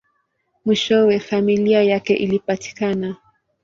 Mwishowe, familia yake ilipatikana.